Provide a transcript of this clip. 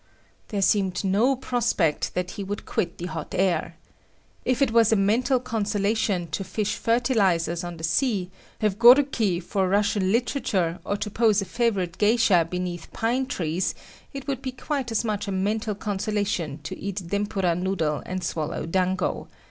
There seemed no prospect that he would quit the hot air. If it was a mental consolation to fish fertilisers on the sea, have goruki for Russian literature, or to pose a favorite geisha beneath pine tree, it would be quite as much a mental consolation to eat dempura noodle and swallow dango.